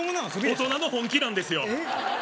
大人の本気なんですよえっ